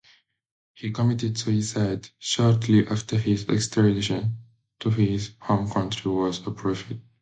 He committed suicide shortly after his extradition to his home country was approved.